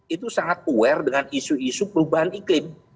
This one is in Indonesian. itu sangat aware dengan isu isu perubahan iklim